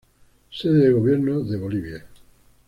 Sede de gobierno de Bolivia.